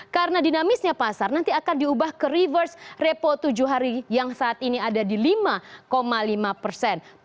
karena dinamisnya pasar nanti akan diubah ke reverse repo tujuh hari yang saat ini ada di lima lima persen